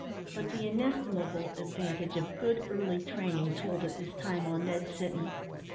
But the inestimable advantage of good early training told at this time on Ned Sinton.